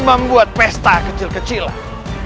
membuat pesta kecil kecilan